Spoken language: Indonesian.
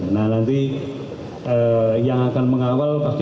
ya maksimal harus berbebas